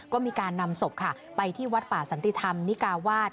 ก็มีการนำศพค่ะไปที่วัดป่าสันติธรรมนิกาวาส